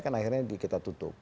karena akhirnya kita tutup